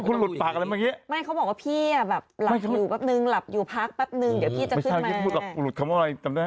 คุณลุดปากอะไรก็ต้องดูอีก